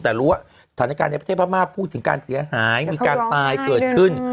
แต่รู้ว่าสถานการณ์ในประเทศพม่าพูดถึงการเสียหายมีการตายเกิดขึ้น